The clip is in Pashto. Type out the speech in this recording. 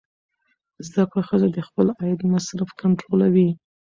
زده کړه ښځه د خپل عاید مصرف کنټرولوي.